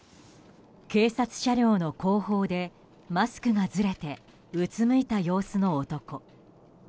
警察車両の後方でマスクがずれてうつむいた様子の男。